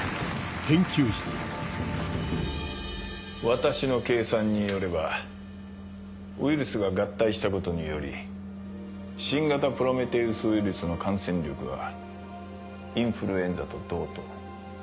私の計算によればウイルスが合体したことにより新型プロメテウス・ウイルスの感染力はインフルエンザと同等。